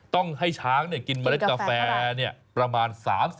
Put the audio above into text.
ต้องให้ช้างเนี่ยกินเมล็ดกาแฟเนี่ยประมาณ๓๐กิโลกรัม